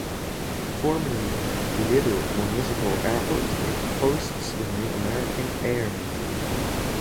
Formerly Liberal Municipal Airport, it hosts the Mid-America Air Museum.